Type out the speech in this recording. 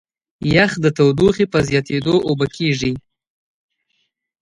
یخ د تودوخې په زیاتېدو اوبه کېږي.